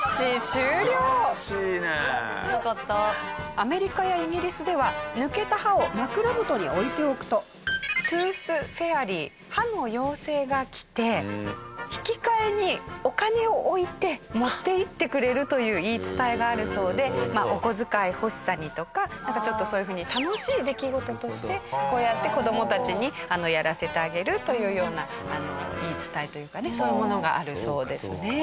アメリカやイギリスでは抜けた歯を枕元に置いておくとトゥース・フェアリー歯の妖精が来て引き換えにお金を置いて持っていってくれるという言い伝えがあるそうでお小遣い欲しさにとかなんかちょっとそういう風に楽しい出来事としてこうやって子どもたちにやらせてあげるというような言い伝えというかねそういうものがあるそうですね。